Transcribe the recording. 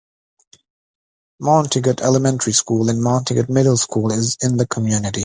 Montegut Elementary School and Montegut Middle School is in the community.